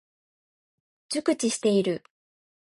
熟知している。